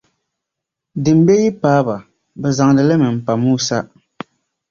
Din be yi paai ba, bɛ zaŋdi li mi m-pa Musa.